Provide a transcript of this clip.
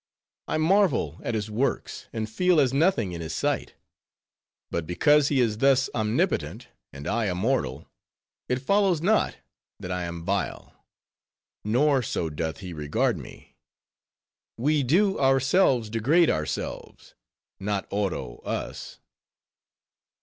I marvel at his works, and feel as nothing in his sight; but because he is thus omnipotent, and I a mortal, it follows not that I am vile. Nor so doth he regard me. We do ourselves degrade ourselves, not Oro us.